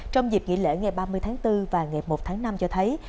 trong dịp nghỉ lễ ngày ba mươi tháng bốn và ngày một tháng năm cho thấy